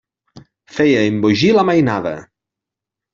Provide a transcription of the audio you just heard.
Feia embogir la mainada.